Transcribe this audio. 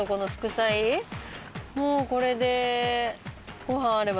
もうこれで。